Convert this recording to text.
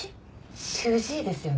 主治医ですよね？